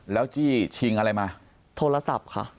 แล้วจี้ชิงอะไรมาโทรศัพท์ค่ะ